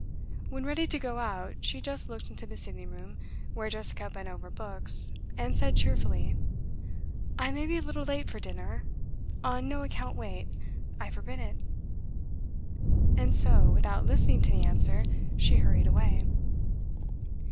When ready to go out, she just looked into the sitting room, where Jessica bent over books, and said cheerfully: 'I may be a little late for dinner. On no account wait I forbid it!' And so, without listening to the answer, she hurried away.